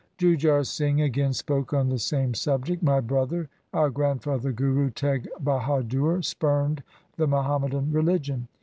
Jujhar Singh again spoke on the same subject :' My brother, our grandfather Guru Teg Bahadur spurned the Muhammadan religion.